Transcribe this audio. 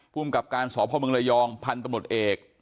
ภูมิกับการสพมระยองพันธุ์ตำรวจเอก